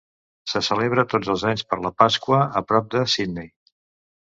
Se celebra tots els anys per la Pasqua, a prop de Sidney.